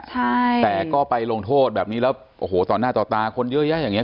ใช่แต่ก็ไปลงโทษแบบนี้แล้วโอ้โหต่อหน้าต่อตาคนเยอะแยะอย่างเง